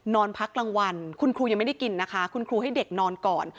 นอนพักกลางวันคุณครูยังไม่ได้กินนะคะคุณครูให้เด็กนอนก่อน